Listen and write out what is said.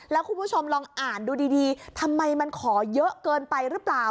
แล้วคุณผู้ชมลองอ่านดูดีทำไมมันขอเยอะเกินไปหรือเปล่า